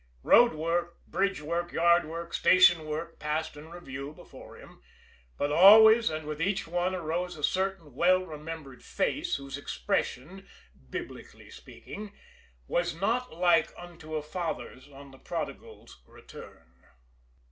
Road work, bridge work, yard work, station work passed in review before him, but always and with each one arose a certain well remembered face whose expression, Biblically speaking, was not like unto a father's on the prodigal's return.